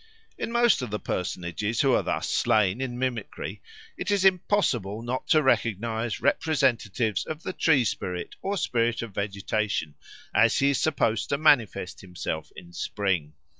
In most of the personages who are thus slain in mimicry it is impossible not to recognise representatives of the tree spirit or spirit of vegetation, as he is supposed to manifest himself in spring.